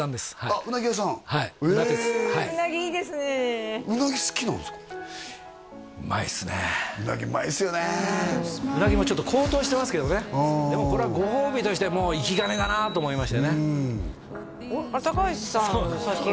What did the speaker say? うまいっすねウナギうまいっすよねウナギもちょっと高騰してますけどねでもこれはご褒美として生き金かなと思いましてねあれ？